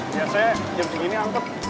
biasanya jam segini angket